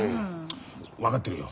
分かってるよ。